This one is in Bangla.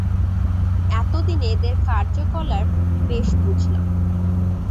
এতদিনে এদের কার্যকলাপ বেশ বুঝলাম।